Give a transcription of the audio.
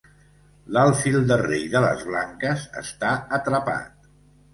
L'alfil de rei de les blanques està atrapat.